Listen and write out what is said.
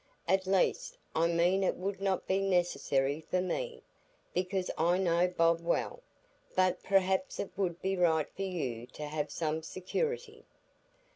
"At least, I mean it would not be necessary for me, because I know Bob well; but perhaps it would be right for you to have some security."